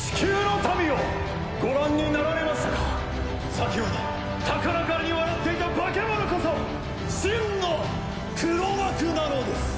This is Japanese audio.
「先ほど高らかに笑っていた化け物こそ真の黒幕なのです！」